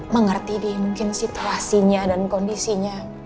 mengerti dia mungkin situasinya dan kondisinya